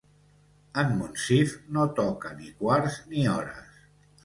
En Monsif no toca ni quarts ni hores.